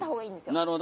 なるほど。